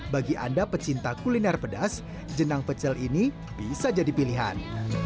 bagi anda pecinta kuliner pedas jenang pecel ini bisa jadi pilihan